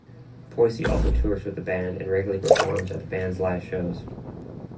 Poyser also tours with the band and regularly performs at the band's live shows.